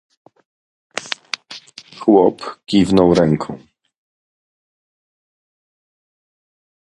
"Chłop kiwnął ręką."